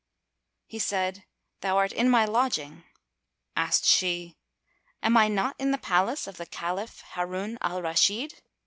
He said, "Thou art in my lodging." Asked she, "Am I not in the Palace of the Caliph Harun al Rashid?"